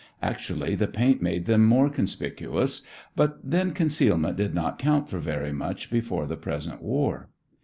Actually the paint made them more conspicuous; but, then, concealment did not count for very much before the present war.